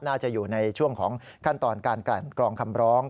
น่าจะอยู่ในช่วงของขั้นตอนการกลั่นกรองคำร้อง